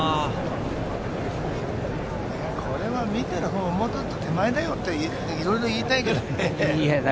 見ているほう、もうちょっと手前だよと、いろいろ言いたいけれど。